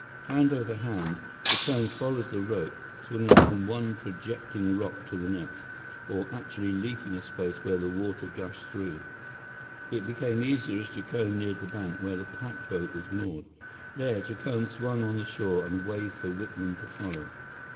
Hand over hand, Jacome followed the rope, swinging from one projecting rock to the next, or actually leaping a space where the water gushed through. It became easier as Jacome neared the bank where the pack boat was moored. There, Jacome swung on the shore and waved for Whitman to follow.